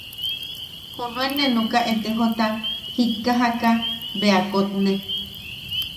Junuen nee nukaʼa etejota jikkajaka bea kotne.